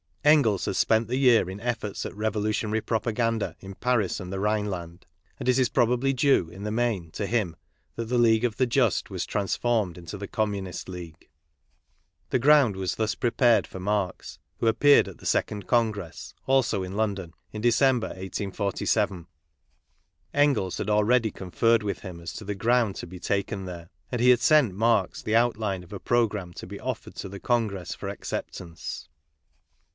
Engels had spent the year in efforts at revolutionarj' propaganda in Paris and the Rhineland; and it is probably due, in the main, to him that the League of the Just was trans formed into the Communist League. The ground was thus prepared for Marx, who appeared at the second Congress, also in London, in December, 1847. Engels had already conferred with him as to the ground to be taken there; and he had sent Marx the outline of a programme to be offered to the Congress for acceptance.